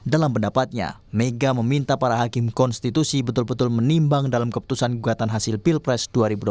dalam pendapatnya mega meminta para hakim konstitusi betul betul menimbang dalam keputusan gugatan hasil pilpres dua ribu dua puluh